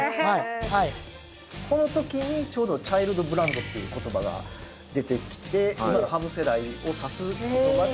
この時にちょうどチャイルドブランドっていう言葉が出てきていわゆる羽生世代を指す言葉で。